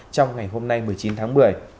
trong ngày hôm nay một mươi chín tháng một mươi